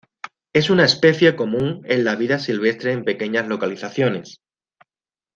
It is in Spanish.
Es una especie común en la vida silvestre en pequeñas localizaciones.